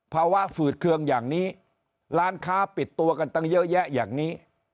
ฝืดเคืองอย่างนี้ร้านค้าปิดตัวกันตั้งเยอะแยะอย่างนี้